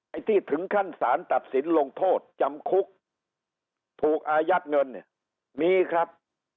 ไอ้ที่ถึงขั้นสารตัดสินลงโทษจำคุกถูกอายัดเงินเนี่ยมีครับ